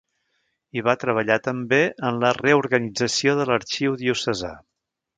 Hi va treballar també en la reorganització de l'arxiu diocesà.